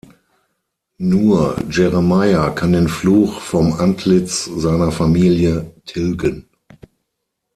Nur Jeremiah kann den Fluch vom Antlitz seiner Familie tilgen.